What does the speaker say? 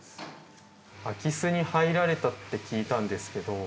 空き巣に入られたって聞いたんですけど。